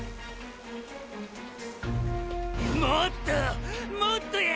もっとォもっとや！！